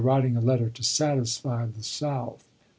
writing a letter to satisfy the South.